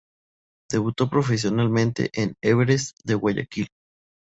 Debutó profesionalmente en Everest de Guayaquil.